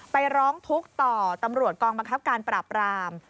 ไปร้องทุกข์ต่อตำรวจกองบังคับการปราบราม